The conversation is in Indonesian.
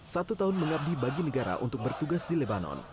satu tahun mengabdi bagi negara untuk bertugas di lebanon